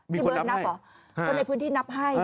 มีคนนับให้ผู้ในพื้นที่นับให้